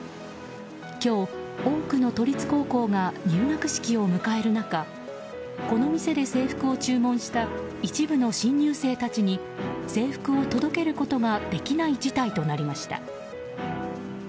今日、多くの都立高校が入学式を迎える中この店で制服を注文した一部の新入生たちに制服を届けることができない事態となりました。